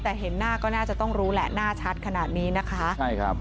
แต่เห็นหน้าก็น่าจะต้องรู้แหละหน้าชัดขนาดนี้นะคะใช่ครับ